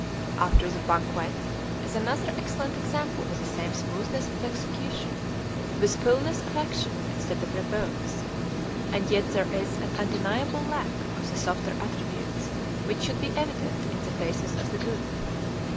"After the Banquet" is another excellent example of the same smoothness of execution, with fulness of action instead of repose. And yet there is an undeniable lack of the softer attributes which should be evident in the faces of the group.